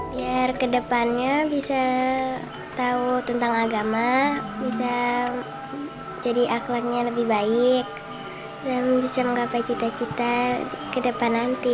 biar ke depannya bisa tahu tentang agama bisa jadi akhlaknya lebih baik dan bisa menggapai cita cita ke depan nanti